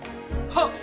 はっ！